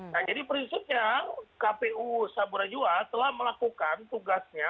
nah jadi prinsipnya kpu sabura jua telah melakukan tugasnya